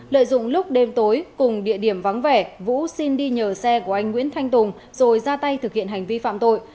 lợi dụng lúc đêm tối cùng địa điểm vắng vẻ vũ xin đi nhờ xe của anh nguyễn thanh tùng rồi ra tay thực hiện hành vi phạm tội